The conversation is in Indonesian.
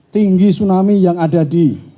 tinggi tsunami yang ada di